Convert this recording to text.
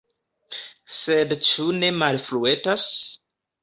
Sed ĉu ne malfruetas?